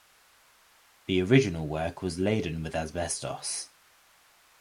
The original work was laden with asbestos.